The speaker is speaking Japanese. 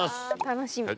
楽しみ。